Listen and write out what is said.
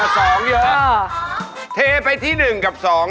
สองเหมือนกัน